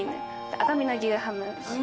赤身の牛ハム。